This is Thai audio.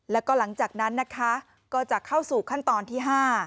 แล้วก็หลังจากนั้นนะคะก็จะเข้าสู่ขั้นตอนที่๕